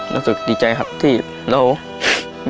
รู้สึกดีใจครับที่เรา